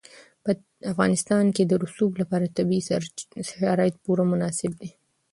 په افغانستان کې د رسوب لپاره طبیعي شرایط پوره مناسب دي.